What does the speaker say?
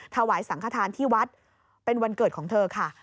ถวายสังขทานที่วัดเป็นวันเกิดของเธอค่ะ